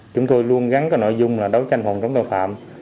chúng tôi luôn gắn cái nội dung là đấu tranh phòng chống tội phạm